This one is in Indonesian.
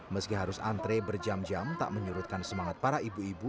meski harus antre berjam jam tak menyurutkan semangat para ibu ibu